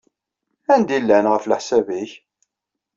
Anda ay llan, ɣef leḥsab-nnek?